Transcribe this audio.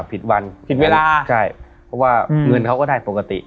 ผิดวันผิดเวลาใช่เพราะว่าเงินเขาก็ได้ปกติ